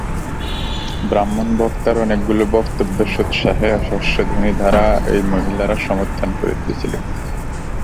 ব্রাহ্মণ বক্তার অনেকগুলি মন্তব্য সোৎসাহে হর্ষধ্বনি দ্বারা এই মহিলারা সমর্থন করিতেছিলেন।